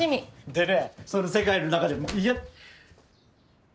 でねその世界の中でも嫌。